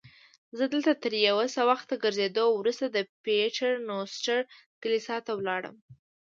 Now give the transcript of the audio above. زه دلته تر یو څه وخت ګرځېدو وروسته د پیټر نوسټر کلیسا ته ولاړم.